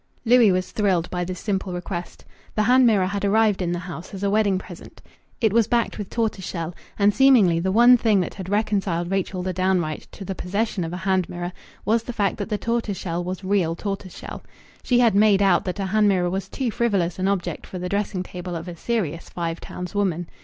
Louis was thrilled by this simple request. The hand mirror had arrived in the house as a wedding present. It was backed with tortoise shell, and seemingly the one thing that had reconciled Rachel the downright to the possession of a hand mirror was the fact that the tortoise shell was real tortoise shell. She had "made out" that a hand mirror was too frivolous an object for the dressing table of a serious Five Towns woman.